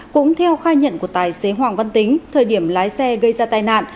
cũng theo khai nhận của tài xế hoàng văn tính thời điểm lái xe gây ra tai nạn